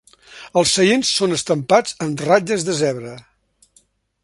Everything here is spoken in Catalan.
Els seients són estampats amb ratlles de zebra.